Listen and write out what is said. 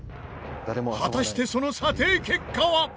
果たしてその査定結果は！？